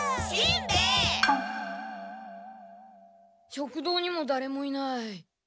食堂にもだれもいない。